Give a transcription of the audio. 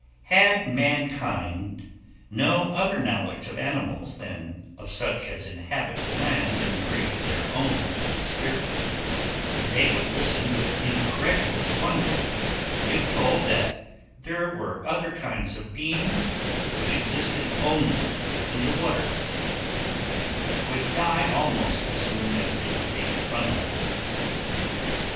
Had mankind no other knowledge of animals than of such as inhabit the land and breathe their own atmosphere, they would listen with incredulous wonder, if told that there were other kinds of beings which existed only in the waters, and which would die almost as soon as they were taken from them.